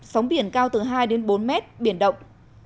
sóng biển cao từ hai đến bốn mét biển động